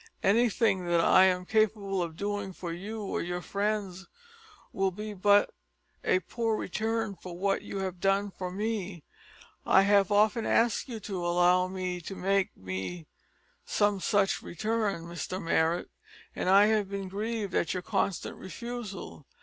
Anything that I am capable of doing for you or your friends will be but a poor return for what you have done for me. I have often asked you to allow me to make me some such return, Mr Marrot, and have been grieved at your constant refusal.